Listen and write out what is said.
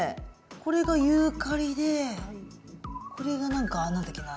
これがユーカリでこれが何だっけな？